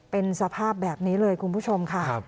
เป็นสภาพแบบนี้เลยคุณผู้ชมค่ะ